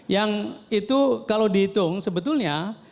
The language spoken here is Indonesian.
yang itu kalau dihitung sebetulnya